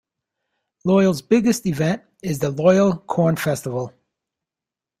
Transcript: Loyal's biggest event is the Loyal Corn Festival.